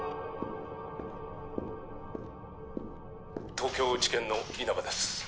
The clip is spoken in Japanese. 東京地検の稲葉です